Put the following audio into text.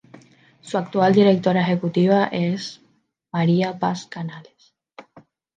Su actual directora ejecutiva es María Paz Canales.